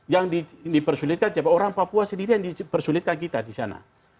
yang dipersulitkan siapa orang papua sendiri yang dipersulitkan kita di sana